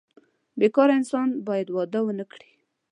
بې کاره انسان باید واده ونه کړي.